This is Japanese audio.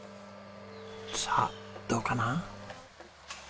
さあどうかな？